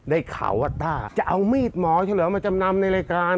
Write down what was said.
ได้ข่าวว่าต้าจะเอามีดหมอเฉลอมาจำนำในรายการ